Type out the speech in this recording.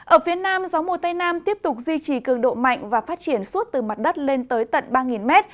ở phía nam gió mùa tây nam tiếp tục duy trì cường độ mạnh và phát triển suốt từ mặt đất lên tới tận ba mét